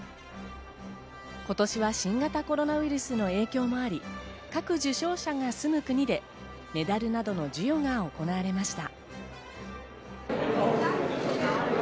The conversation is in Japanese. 今年は新型コロナウイルスの影響もあり、各受賞者が住む国でメダルなどの授与が行われました。